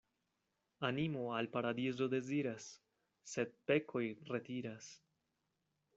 Animo al paradizo deziras, sed pekoj retiras.